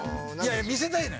いや見せたいのよ